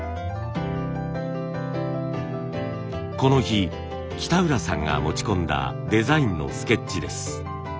この日北浦さんが持ち込んだデザインのスケッチです。